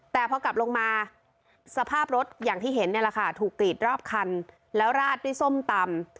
แต่พอกลับลงมาสภาพรถอย่างที่เห็นเนี่ยแหละค่ะถูกกรีดรอบคันแล้วราดด้วยส้มตำ